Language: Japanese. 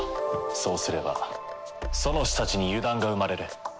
そうすればソノシたちに油断が生まれる。